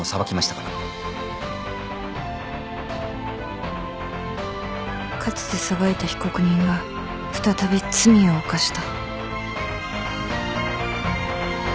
かつて裁いた被告人が再び罪を犯した